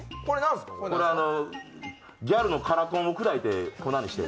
これ、ギャルのカラコンを砕いて粉にしてる。